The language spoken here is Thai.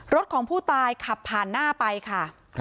รถของผู้ตายขับผ่านหน้าไปค่ะ